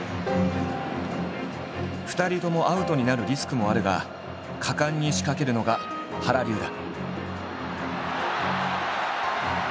２人ともアウトになるリスクもあるが果敢に仕掛けるのが原流だ。